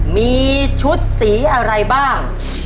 มีชุดสีอะไรบ้าง